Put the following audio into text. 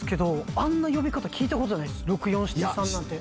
あんな呼び方聞いたことない六四七三なんて。